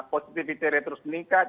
positivitasnya terus meningkat